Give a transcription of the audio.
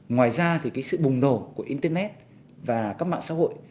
ngoài ra sự bùng nổ của internet và các mạng xã hội